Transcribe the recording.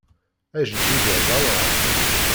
Ajeǧǧig-a d awraɣ.